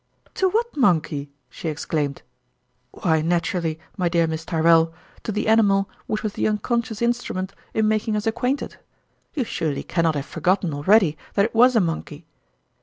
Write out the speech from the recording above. " To what monkey ?" she exclaimed. " Why, naturally, my dear Miss Tyrrell, to the animal which was the unconscious instru ment in making us acquainted. You surely can not have forgotten already that it was a monkey